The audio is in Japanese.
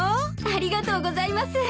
ありがとうございます。